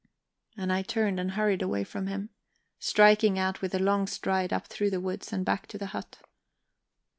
And I turned and hurried away from him, striking out with a long stride up through the woods and back to the hut.